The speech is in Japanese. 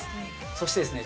そしてですね